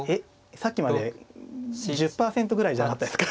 さっきまで１０％ぐらいじゃなかったですか？